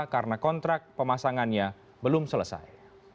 karena kontrak pemasangannya belum selesai